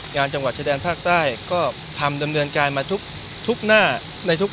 งานจังหวัดชาแดนผ้าใต้